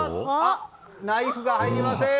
ナイフが入りません。